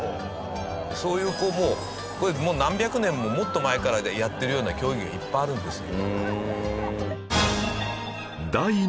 そういうこうもうこれ何百年ももっと前からやってるような競技がいっぱいあるんですよ。